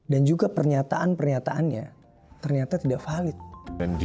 dan juga pernyataan pernyataannya ternyata tidak valid